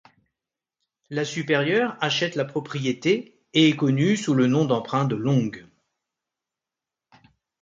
La supérieur achète la propriété, et est connue, sous le nom d’emprunt de Long.